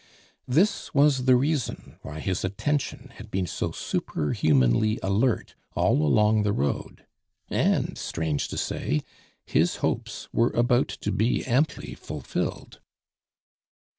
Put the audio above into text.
This was the reason why his attention had been so superhumanly alert all along the road. And, strange to say! his hopes were about to be amply fulfilled.